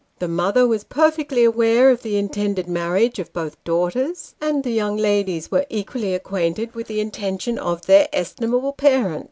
The mother was perfectly aware of the intended marriage of both daughters ; and the young ladies were equally acquainted with the intention of their estimable parent.